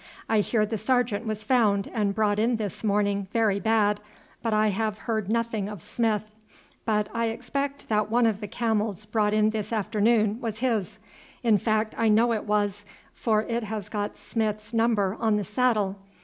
I hear the sergeant was found and brought in this morning very bad, but I have heard nothing of Smith; but I expect that one of the camels brought in this afternoon was his; in fact I know it was, for it has got Smith's number on the saddle.